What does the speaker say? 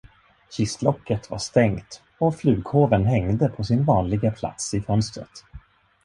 Kistlocket var stängt, och flughåven hängde på sin vanliga plats i fönstret.